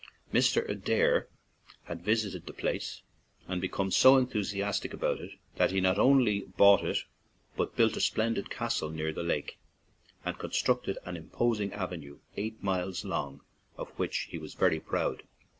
Mr. Adair had visited the place and become so enthusiastic about it that he not only bought it but built a splendid castle near the lake and constructed an imposing avenue, eight miles long, of which he was very proud.